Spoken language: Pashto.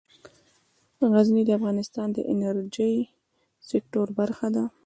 غزني د افغانستان د انرژۍ سکتور برخه ده.